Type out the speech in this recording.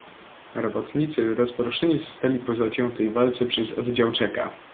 "Robotnicy rozproszeni zostali po zaciętej walce przez oddział Czeka."